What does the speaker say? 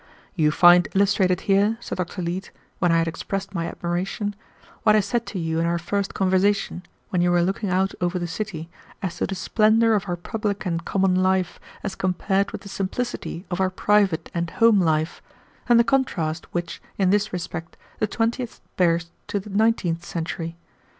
"You find illustrated here," said Dr. Leete, when I had expressed my admiration, "what I said to you in our first conversation, when you were looking out over the city, as to the splendor of our public and common life as compared with the simplicity of our private and home life, and the contrast which, in this respect, the twentieth bears to the nineteenth century.